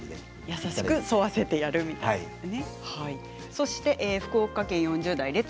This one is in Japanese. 優しく沿わせてやることですね。